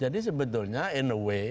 jadi sebetulnya in a way